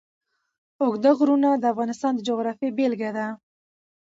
اوږده غرونه د افغانستان د جغرافیې بېلګه ده.